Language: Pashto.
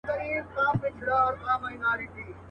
له هيبته به يې تښتېدل پوځونه.